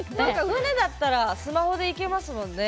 船だったらスマホでいけますもんね。